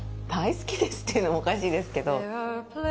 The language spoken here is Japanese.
「大好きです」っていうのもおかしいですけど。